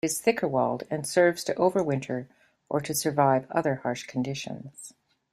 It is thicker-walled and serves to overwinter or to survive other harsh conditions.